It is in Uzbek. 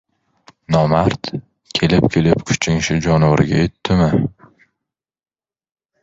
— Nomard, kelib-kelib kuching shu jonivorga yetdimi?